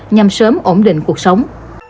nhằm sớm ổn định cuộc sống